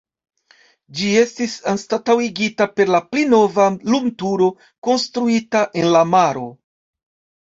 Ĝi estis anstataŭigita per la pli nova lumturo konstruita en la maro.